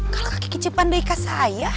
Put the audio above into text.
kalah kekicepan deka saya